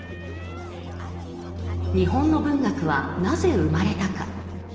日本の文学はなぜ生まれたか？